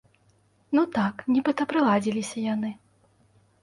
Ну так, нібыта прыладзіліся яны.